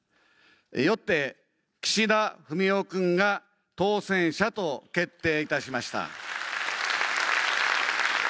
よって岸田文雄君が当選者と決定いたしました